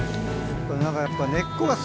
何かやっぱ。